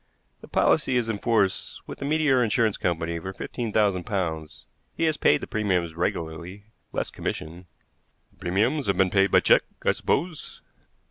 "The policy is in force with the Meteor Insurance Company for fifteen thousand pounds. He has paid the premiums regularly, less commission." "The premiums have been paid by check, I suppose?"